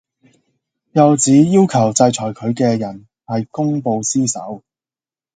又指要求制裁佢嘅人係公報私仇